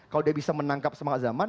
kalau dia bisa menangkap semangat zaman